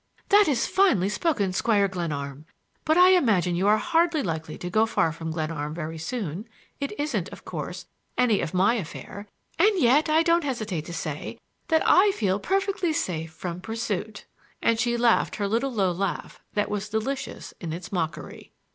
"That is finely spoken, Squire Glenarm! But I imagine you are hardly likely to go far from Glenarm very soon. It isn't, of course, any of my affair; and yet I don't hesitate to say that I feel perfectly safe from pursuit!"—and she laughed her little low laugh that was delicious in its mockery.